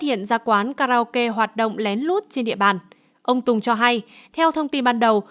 hiện ra quán karaoke hoạt động lén lút trên địa bàn ông tùng cho hay theo thông tin ban đầu